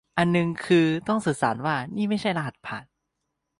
อันนึงคือต้องสื่อสารว่านี่ไม่ใช่รหัสผ่าน